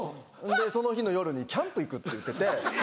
その日の夜にキャンプ行くって言ってて。